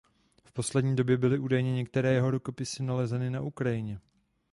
V poslední době byly údajně některé jeho rukopisy nalezeny na Ukrajině.